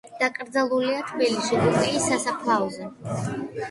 დაკრძალულია თბილისში კუკიის სასაფლაოზე.